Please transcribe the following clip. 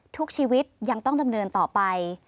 ทุกชีวิตยังต้องดำเนินต่อไป